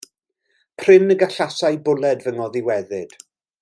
Prin y gallasai bwled fy ngoddiweddyd.